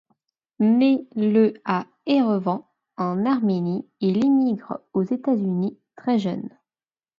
Né le à Erevan en Arménie, il émigre aux États-Unis très jeune.